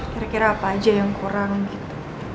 kira kira apa aja yang kurang gitu